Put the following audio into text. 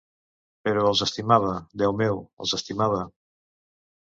Però els estimava, Déu meu, els estimava.